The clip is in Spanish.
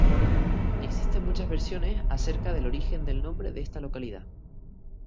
Existen muchas versiones a cerca del origen del nombre de esta localidad.